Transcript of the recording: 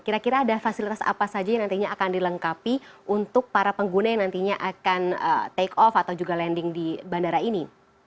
kira kira ada fasilitas apa saja yang nantinya akan dilengkapi untuk para pengguna yang nantinya akan take off atau juga landing di bandara ini